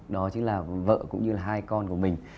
đó chính là vợ cũng như là hai con của mình